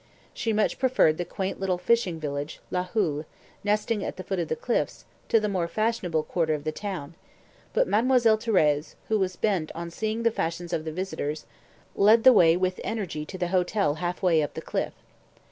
She much preferred the quaint little fishing village, La Houle, nestling at the foot of the cliffs, to the more fashionable quarter of the town; but Mademoiselle Thérèse, who was bent on "seeing the fashions of the visitors," led the way with energy to the hotel half way up the cliff.